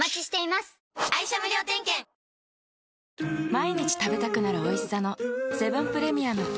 毎日食べたくなる美味しさのセブンプレミアム。